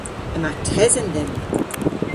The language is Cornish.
Yma tesen dhymm.